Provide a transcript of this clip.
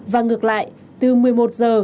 và ngược lại từ một mươi một h